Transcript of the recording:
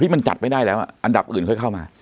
มันจัดไม่ได้แล้วอันดับอื่นค่อยเข้ามา